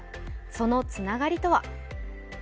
そのつながりとは？